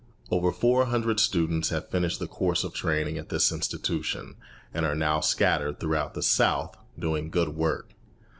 Over four hundred students have finished the course of training at this institution, and are now scattered throughout the South, doing good work.